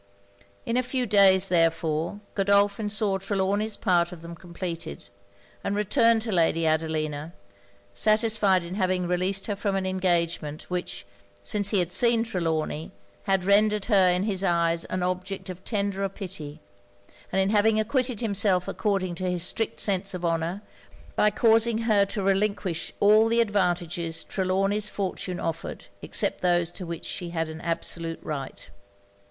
In a few days therefore Godolphin saw Trelawny's part of them compleated; and returned to Lady Adelina, satisfied in having released her from an engagement, which, since he had seen Trelawny, had rendered her in his eyes an object of tenderer pity; and in having acquitted himself according to his strict sense of honour, by causing her to relinquish all the advantages Trelawny's fortune offered, except those to which she had an absolute right.